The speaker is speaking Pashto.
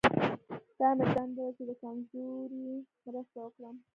دا مې دنده ده چې د کمزوري مرسته وکړم.